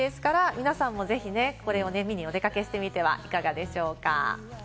皆さんもぜひこれを見にお出かけしてみてはいかがでしょうか？